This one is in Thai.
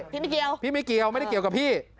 พี่ไม่เกี่ยวพี่ไม่เกี่ยวไม่ได้เกี่ยวกับพี่